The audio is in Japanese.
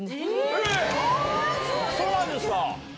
えっ⁉そうなんですか？